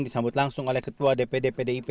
disambut langsung oleh ketua dpd pdip